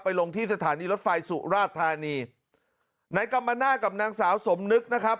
ลงที่สถานีรถไฟสุราชธานีนายกรรมนาศกับนางสาวสมนึกนะครับ